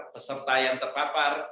peserta yang terpapar